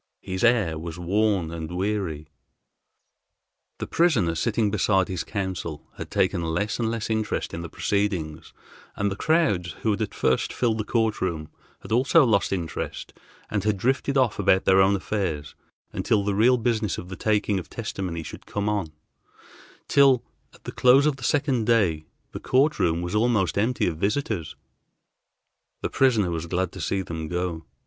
His air was worn and weary. The prisoner, sitting beside his counsel, had taken less and less interest in the proceedings, and the crowds, who had at first filled the court room, had also lost interest and had drifted off about their own affairs until the real business of the taking of testimony should come on, till, at the close of the second day, the court room was almost empty of visitors. The prisoner was glad to see them go.